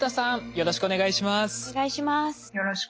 よろしくお願いします。